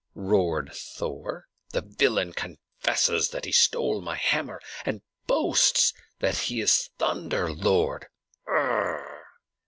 roared Thor. "The villain confesses that he has stolen my hammer, and boasts that he is Thunder Lord! Gr r r!"